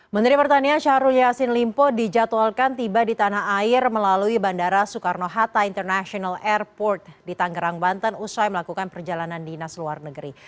menteri pertanian syahrul yassin limpo dijadwalkan tiba di tanah air melalui bandara soekarno hatta international airport di tangerang banten usai melakukan perjalanan dinas luar negeri